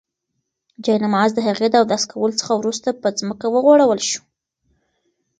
جاینماز د هغې د اودس کولو څخه وروسته په ځمکه وغوړول شو.